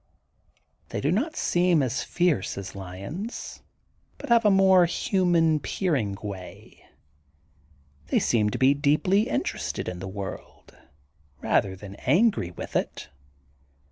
'' They do not seem as fierce as lions, but have a more human peering, way. They seem to be deeply interested in the world rather than angry with it.